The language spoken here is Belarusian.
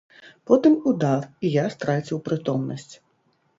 Потым удар, і я страціў прытомнасць.